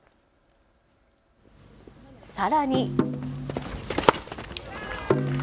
さらに。